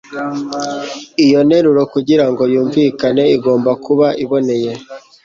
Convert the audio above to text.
Iyo nteruro kugira ngo yumvikane igomba kuba iboneye.